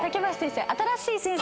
新しい先生です。